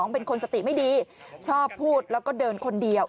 เป็นคนสติไม่ดีชอบพูดแล้วก็เดินคนเดียว